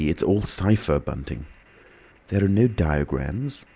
It's all cypher, Bunting." "There are no diagrams?"